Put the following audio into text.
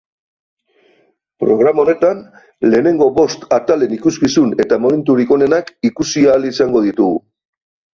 Programa honetan lehenengo bost atalen ikuskizun eta momenturik onenak ikusi ahal izango ditugu.